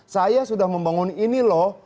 saya sudah membangun ini loh